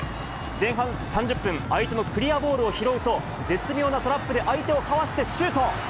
前半３０分、相手のクリアボールを拾うと、絶妙なトラップで相手をかわしてシュート。